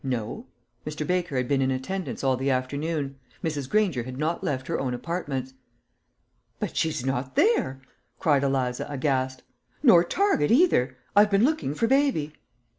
No; Mr. Baker had been in attendance all the afternoon. Mrs. Granger had not left her own apartments. "But she's not there," cried Eliza, aghast; "nor Target either. I've been looking for baby."